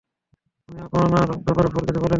উনি আপনার ব্যাপারে ভুল কিছু বলেননি।